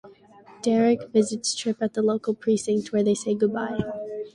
Derrick visits Tripp at the local precinct, where they say goodbye.